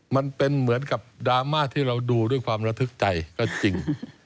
มันเป็นเหมือนกับดราม่าที่เราดูด้วยความระทึกใจก็จริง